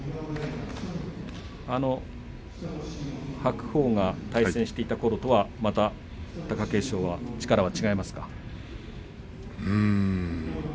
白鵬が対戦したころとはまた、貴景勝は力が違いますか。